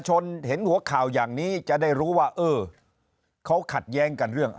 ชนเห็นหัวข่าวอย่างนี้จะได้รู้ว่าเออเขาขัดแย้งกันเรื่อง